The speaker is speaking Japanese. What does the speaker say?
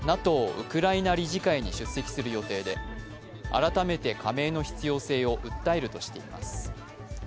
ウクライナ理事会に出席する予定で改めて加盟の必要性を訴えるとしています。